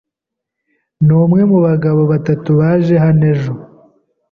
numwe mubagabo batatu baje hano ejo.